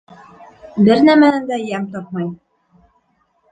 Бер нәмәнән дә йәм тапмай.